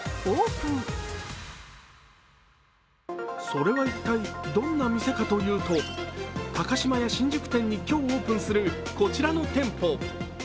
それは一体どんな店かというと、高島屋新宿店に今日オープンするこちらの店舗。